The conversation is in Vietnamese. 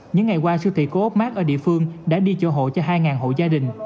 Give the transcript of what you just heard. những ngày qua siêu thị cố ốc mát ở địa phương đã đi chỗ hộ cho hai hộ gia đình